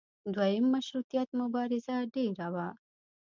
دویم مشروطیت مبارزه ډېره وه.